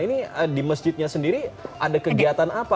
ini di masjidnya sendiri ada kegiatan apa